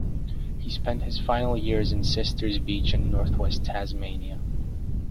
He spent his final years in Sisters Beach in north-west Tasmania.